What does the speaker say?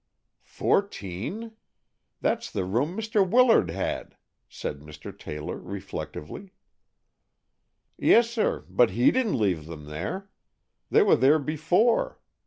"Fourteen? That's the room Mr. Willard had," said Mr. Taylor, reflectively. "Yessir, but he didn't leave them there. They were there before.